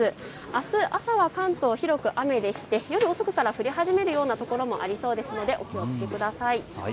あす朝は関東、広く晴れて夜遅くから降り始める所もありそうなのでお気をつけください。